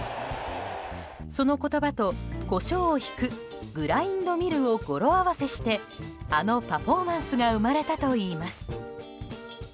その言葉とコショウをひくグラインドミルを語呂合わせしてあのパフォーマンスが生まれたといいます。